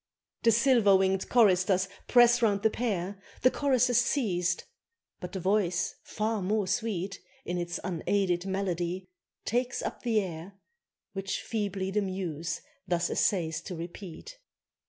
The silver winged choristers press round the pair; The chorus has ceased; but a voice far more sweet In its unaided melody, takes up the air, Which feebly the muse thus essays to repeat.